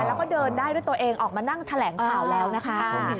แล้วก็เดินได้ด้วยตัวเองออกมานั่งแถลงข่าวแล้วนะคะ